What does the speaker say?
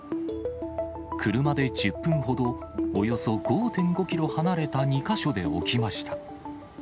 車で１０分ほど、およそ５．５キロ離れた２か所で起きました。